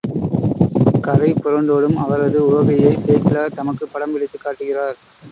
கரை புரண்டோடும் அவரது உவகையை சேக்கிழார் தமக்குப் படம் பிடித்துக் காட்டுகிறார்.